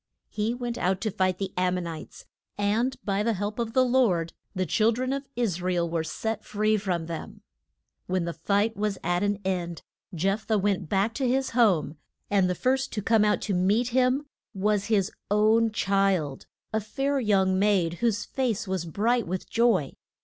He went out to fight the Am mon ites, and by the help of the Lord the chil dren of Is ra el were set free from them. [Illustration: JEPH THAH AND HIS DAUGH TER.] When the fight was at an end Jeph thah went back to his home, and the first to come out to meet him was his own child, a fair young maid, whose face was bright with joy.